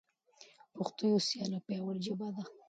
پښتو یوه سیاله او پیاوړي ژبه ده.